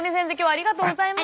ありがとうございます。